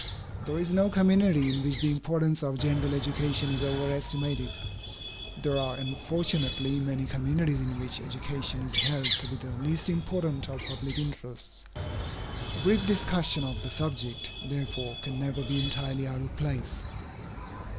There is no community in which the importance of general education is over estimated; there are unfortunately many communities in which education is held to be the least important of public interests. A brief discussion of the subject, therefore, can never be entirely out of place.